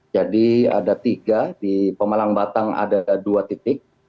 jadi ada tiga di pemalang batang ada dua titik